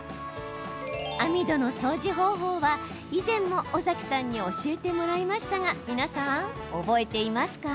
網戸の掃除方法は、以前も尾崎さんに教えてもらいましたが皆さん、覚えていますか？